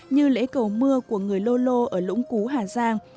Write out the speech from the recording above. như lễ cầu mưa của người lô lô ở lũng cú hà giang